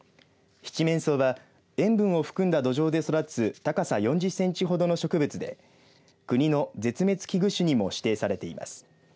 シチメンソウは塩分を含んだ土壌で育つ高さ４０センチほどの植物で国の絶滅危惧種にも指定されています。